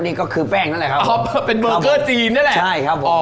นี่ก็คือแป้งนั่นแหละครับเป็นเบอร์เกอร์จีนนั่นแหละใช่ครับผม